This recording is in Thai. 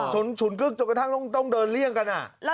ฉุนกึ๊กจนกระทั่งต้องเดินเลี่ยงกัน